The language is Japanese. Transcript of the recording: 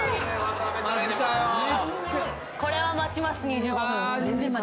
これは待ちます２０分。